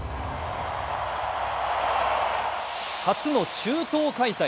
初の中東開催。